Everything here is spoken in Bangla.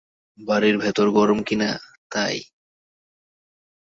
বাড়ীর ভেতর গরম কিনা, তাই।